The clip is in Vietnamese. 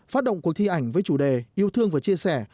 phát động cuộc thi ảnh với chủ đề yêu thương và chia sẻ